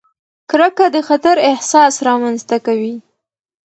کرکه د خطر احساس رامنځته کوي.